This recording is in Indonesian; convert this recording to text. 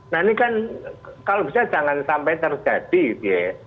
nah ini kan kalau bisa jangan sampai terjadi gitu ya